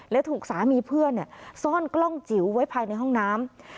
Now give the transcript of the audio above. และถูกสามีเพื่อนซ่อนกล้องจิ๋วไว้ภายในห้องน้ำ